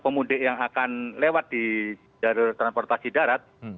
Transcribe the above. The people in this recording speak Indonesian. pemudik yang akan lewat di jalur transportasi darat